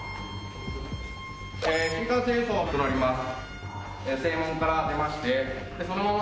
新幹線輸送となります。